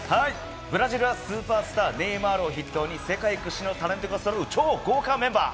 ブラジルはスーパースター、ネイマールを筆頭に世界屈指のタレントがそろう超豪華メンバー。